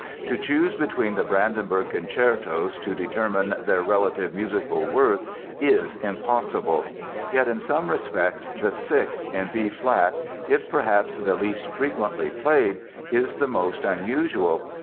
To choose between the Brandenburg Concertos, to determine their relative musical worth is impossible. Yet in some respects the sixth, in B flat, if perhaps the least frequently played, is the most unusual.